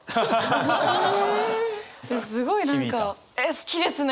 好きですね！